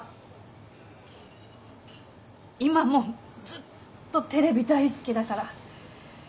今もずっとテレビ大好きだから。